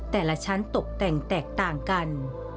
แต่ละชั้นตกแต่งแตกต่างกัน